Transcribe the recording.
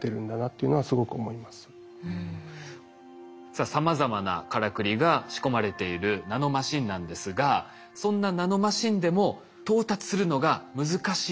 さあさまざまなからくりが仕込まれているナノマシンなんですがそんなナノマシンでも到達するのが難しい場所があるんです。